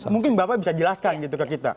mungkin bapak bisa jelaskan gitu ke kita